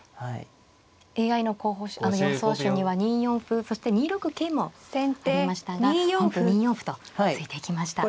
ＡＩの予想手には２四歩そして２六桂もありましたが本譜２四歩と突いていきました。